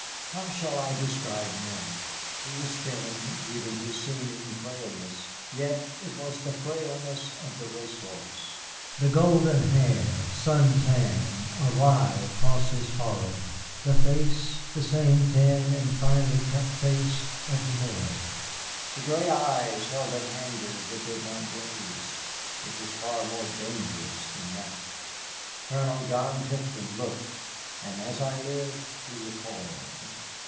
How shall I describe him? He was thin even to seeming frailness, yet it was the frailness of the race horse. The golden hair, sun tanned, awry across his forehead, the face the same thin and finely cut face of the boy. The gray eyes held an anger that did not blaze; it was far more dangerous than that. Colonel John Tipton looked, and as I live he recoiled.